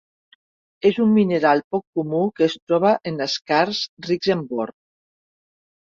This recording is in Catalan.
És un mineral poc comú que es troba en skarns rics en bor.